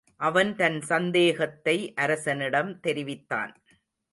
அவன் தன் சந்தேகத்தை அரசனிடம் தெரிவித்தான்.